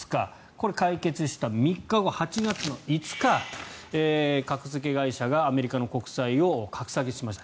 この解決した３日後、８月５日格付け会社がアメリカの国債を格下げしました。